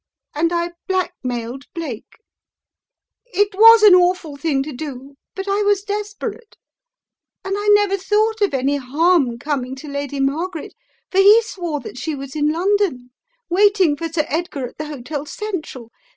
And I blackmailed Blake! It was an awful thing to do but I was desperate. And I never thought of any harm coming to Lady Mar garet, for he swore that she was in London, waiting for Sir Edgar at the Hotel Central.